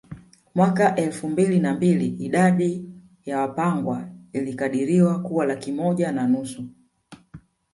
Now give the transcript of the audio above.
Mwaka elfu mbili na mbili idadi ya Wapangwa ilikadiriwa kuwa laki moja na nusu